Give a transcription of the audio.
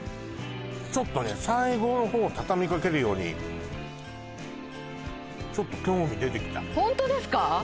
ちょっとね最後のほう畳みかけるようにちょっと興味出てきたホントですか？